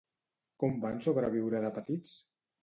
Com van sobreviure de petits?